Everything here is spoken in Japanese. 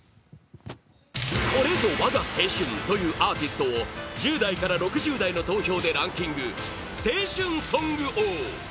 これぞ我が青春！というアーティストを１０代から６０代の投票でランキング、青春ソング王！